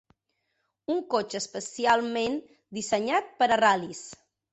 Un cotxe especialment dissenyat per a ral·lis.